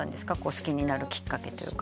好きになるきっかけというか。